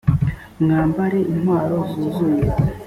mwambare intwaro zuzuye